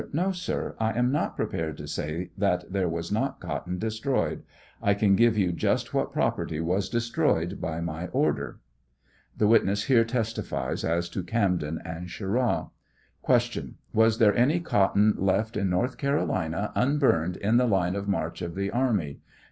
No, sir; I am not prepared to say that there was not cotton destroyed ; I can give yon just what prop erty was destroyed by my order. *!* 'P •!* ^S •!* y (The witness here testifies as to Camden and Cher aw.) Q. Was there any cotton left in North Carolina un burned in the line of march of the army